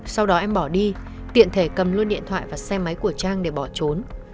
sau đó em bỏ đi tiện thể cầm luôn điện thoại và xe máy của trang để bỏ trốn